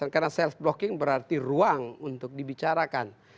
karena self blocking berarti ruang untuk dibicarakan